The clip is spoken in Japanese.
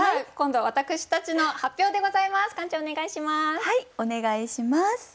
はいお願いします。